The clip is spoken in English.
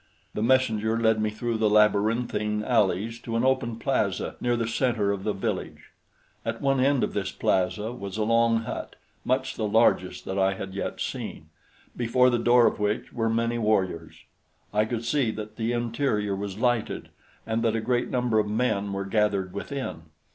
The messenger led me through the labyrinthine alleys to an open plaza near the center of the village. At one end of this plaza was a long hut, much the largest that I had yet seen, before the door of which were many warriors. I could see that the interior was lighted and that a great number of men were gathered within.